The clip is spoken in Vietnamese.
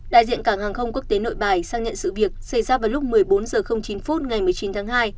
đại diện cảng hàng không quốc tế nội bài xác nhận sự việc xảy ra vào lúc một mươi bốn h chín ngày một mươi chín tháng hai